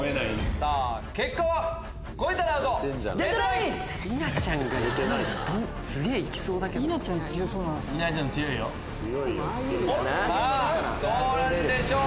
さぁどうなんでしょう？